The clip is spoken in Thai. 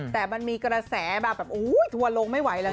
แต่มันมีกระแสแบบโอ้โหทัวร์ลงไม่ไหวแล้ว